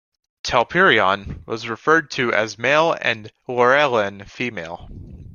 Telperion was referred to as male and Laurelin female.